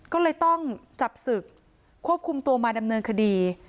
ก็เลยต้องจับศึกควบคุมตัวมาดำเนินคดี